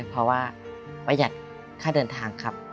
เพราะว่าประหยัดค่าเดินทางครับ